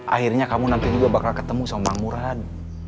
akhirnya kamu nanti juga bakal ketemu sama bang murad